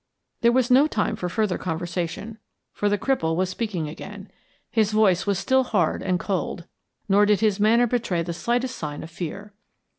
There was no time for further conversation, for the cripple was speaking again. His voice was still hard and cold, nor did his manner betray the slightest sign of fear.